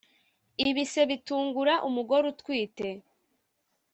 ibise bitungura umugore utwite